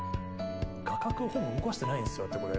画角をほぼ動かしてないんですよだってこれ。